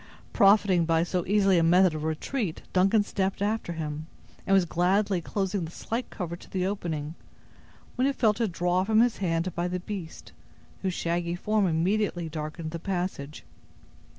Profiting by so easy a method of retreat, Duncan stepped after him, and was gladly closing the slight cover to the opening, when he felt it drawn from his hand by the beast, whose shaggy form immediately darkened the passage.